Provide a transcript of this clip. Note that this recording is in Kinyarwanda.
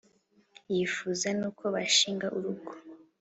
yifuza no ko bashinga urugo.